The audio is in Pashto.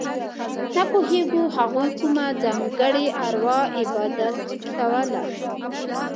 نه پوهېږو هغوی کومه ځانګړې اروا عبادتوله.